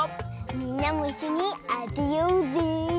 みんなもいっしょにあてようぜ。